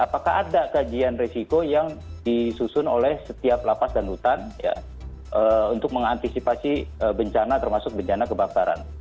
ya ini juga harus dilihat apakah ada kajian resiko yang disusun oleh setiap lapas dan rutan ya untuk mengantisipasi bencana termasuk bencana kebakaran